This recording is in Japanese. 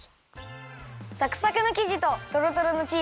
サクサクのきじととろとろのチーズがいいね！